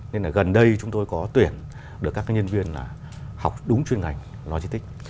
nên là gần đây chúng tôi có tuyển được các nhân viên học đúng chuyên ngành lôi stick